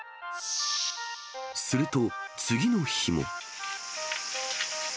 すると次の日も。